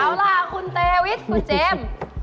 เอาล่ะคุณเตวิทคุณเจมส์